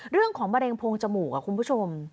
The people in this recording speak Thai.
เรื่องของมะเร็งโพงจมูกคุณผู้ชม